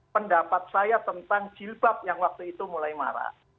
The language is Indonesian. pendapat saya tentang jilbab yang waktu itu mulai marah